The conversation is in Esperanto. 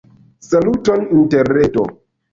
Saluton interreto!